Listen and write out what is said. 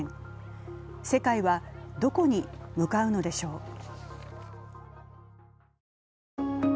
世界はどこに向かうのでしょう？